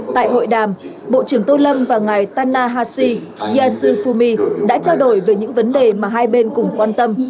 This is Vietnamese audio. tại hội đàm bộ trưởng tô lâm và ngài tanahasi yasufumi đã trao đổi về những vấn đề mà hai bên cũng quan tâm